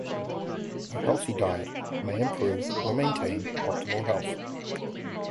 A healthy diet may improve or maintain optimal health.